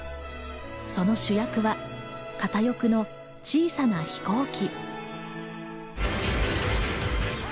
その主役は片翼の小さな飛行機。